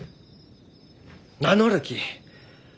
名乗るき！